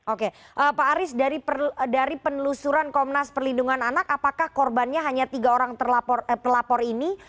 oke pak aris dari penelusuran komnas perlindungan anak apakah korbannya hanya tiga orang pelapor ini